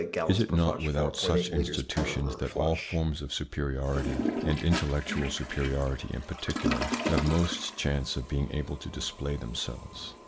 Is it not with such institutions that all forms of superiority, and intellectual superiority in particular, have most chance of being able to display themselves